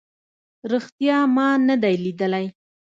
ریښتیا ما نه دی لیدلی